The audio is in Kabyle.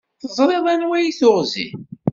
Teẓriḍ anwa i t-tuɣ zik?